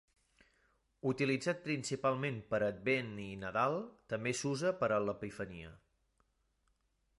Utilitzat principalment per a Advent i Nadal, també s'usa per a l'Epifania.